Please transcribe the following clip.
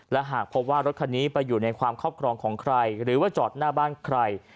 และหากพบว่ารถคันนี้ไปอยู่ในความครอบครองของใครหรือว่าจอดหน้าบ้านใคร